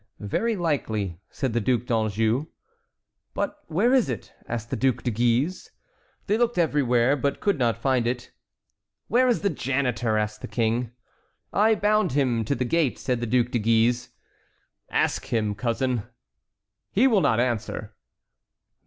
"Very likely," said the Duc d'Anjou. "But where is it?" asked the Duc de Guise. They looked everywhere, but could not find it. "Where is the janitor?" asked the King. "I bound him to the gate," said the Duc de Guise. "Ask him, cousin." "He will not answer."